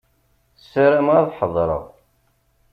Sarameɣ ad ḥeḍreɣ.